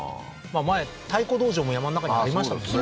前太鼓道場も山の中にありましたもんね